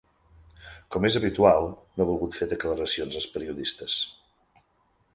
Com és habitual, no ha volgut fer declaracions als periodistes.